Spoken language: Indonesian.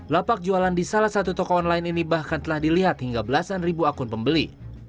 lapak jualan di salah satu toko online ini bahkan telah dilihat hingga belasan ribu akun pembeli